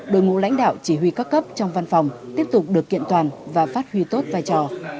đội ngũ lãnh đạo chỉ huy các cấp trong văn phòng tiếp tục được kiện toàn và phát huy tốt vai trò